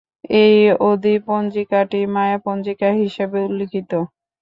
এই অধি-পঞ্জিকাটি 'মায়া পঞ্জিকা' হিসাবে উল্লিখিত।